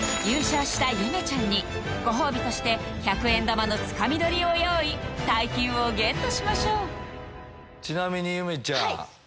優勝したゆめちゃんにご褒美として１００円玉のつかみ取りを用意大金をゲットしましょうちなみにゆめちゃん。